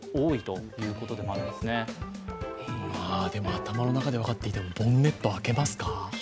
頭の中で分かっていてもボンネット開けますか？